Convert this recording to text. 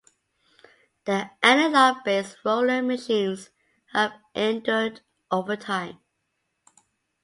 The analogue-based Roland machines have endured over time.